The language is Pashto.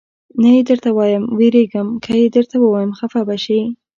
نه یې درته وایم، وېرېږم که یې درته ووایم خفه به شې.